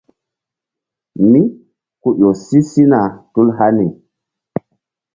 Mí ku ƴo si sina tul hani.